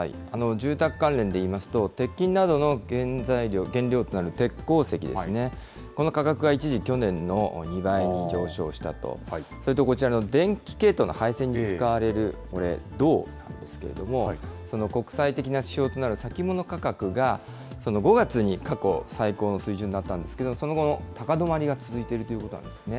住宅関連でいいますと、鉄筋などの原料となる鉄鉱石ですね、この価格が一時、去年の２倍に上昇したと、それとこちらの電気系統の配線に使われる銅ですけれども、国際的な指標となる先物価格が、５月に過去最高の水準になったんですけれども、その後も高止まりが続いているということなんですね。